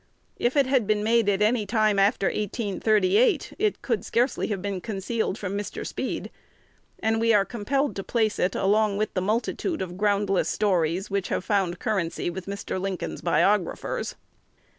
If it had been made at any time after 1838, it could scarcely have been concealed from Mr. Speed; and we are compelled to place it along with the multitude of groundless stories which have found currency with Mr. Lincoln's biographers.